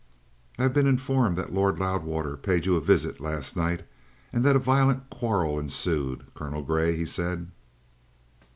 "I have been informed that Lord Loudwater paid you a visit last night, and that a violent quarrel ensued, Colonel Grey," he said.